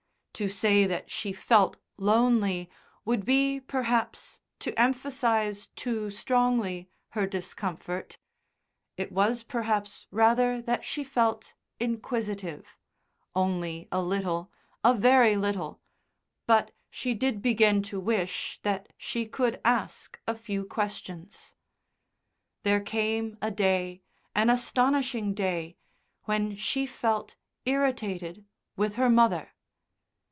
To say that she felt lonely would be, perhaps, to emphasise too strongly her discomfort. It was perhaps rather that she felt inquisitive only a little, a very little but she did begin to wish that she could ask a few questions. There came a day an astonishing day when she felt irritated with her mother.